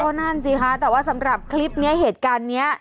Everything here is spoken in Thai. นั่นสิคะแต่ว่าสำหรับคลิปนี้เหตุการณ์นี้